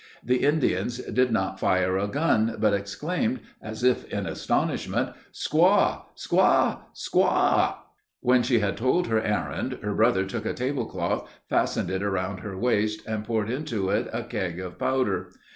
The Indians did not fire a gun, but exclaimed, as if in astonishment, "Squaw! squaw! squaw!" When she had told her errand, her brother took a tablecloth, fastened it around her waist, and poured into it a keg of powder.